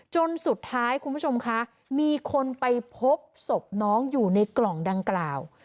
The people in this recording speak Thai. จนสุดท้ายคุณผู้ชมคะมีคนไปพบศพน้องอยู่ในกล่องดังกล่าว